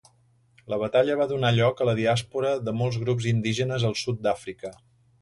La batalla va donar lloc a la diàspora de molts grups indígenes al sud d'Àfrica.